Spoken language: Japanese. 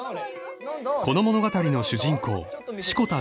［この物語の主人公志子田